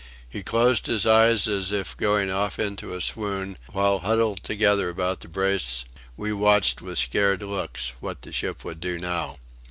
He closed his eyes as if going off into a swoon, while huddled together about the brace we watched with scared looks what the ship would do now.